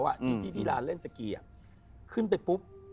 ที่ที่ร้านเล่นสกีขึ้นไปปุ๊บ